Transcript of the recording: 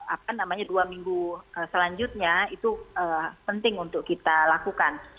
apa namanya dua minggu selanjutnya itu penting untuk kita lakukan